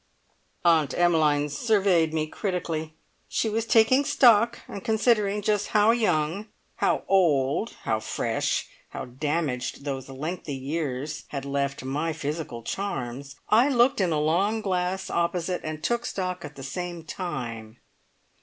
Aunt Emmeline surveyed me critically. She was taking stock, and considering just how young, how old, how fresh, how damaged those lengthy years had left my physical charms. I looked in a long glass opposite, and took stock at the same time.